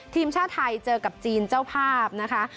ทีมชาติไทยเจอกับจีนเจ้าภาพนะคะ